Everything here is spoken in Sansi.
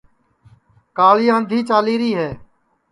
کاݪی آنٚدھی چالی ری ہے